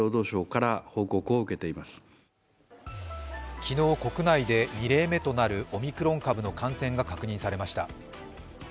昨日国内で２例目となるオミクロン株の感染が確認されました。